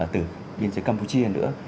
từ biên giới campuchia nữa